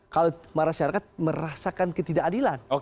kalau masyarakat merasakan ketidakadilan